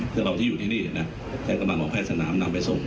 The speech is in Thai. เพราะว่าที่อยู่ที่นี้น่ะแค่กำลังของแพทย์สนามนำไปส่ง